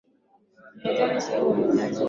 ni hatari sana Sehemu ya dart ya